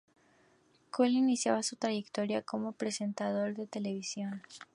Coll iniciaba su trayectoria como presentador de televisión.